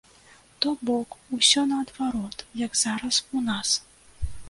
То бок, усё наадварот, як зараз у нас.